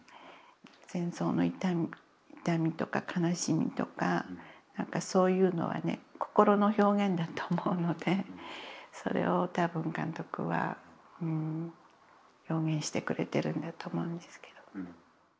戦争の痛みとか悲しみとかそういうのはね心の表現だと思うのでそれを多分監督は表現してくれてるんだと思うんですけど。